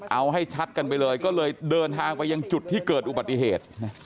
เอาให้ชัดกันไปเลยก็เลยเดินทางไปยังจุดที่เกิดอุบัติเหตุ